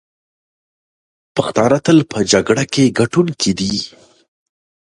پښتانه تل په جګړه کې ګټونکي دي.